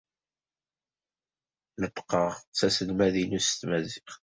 Neṭṭqeɣ s aselmad-inu s tmaziɣt.